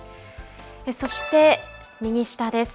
そして、右下です。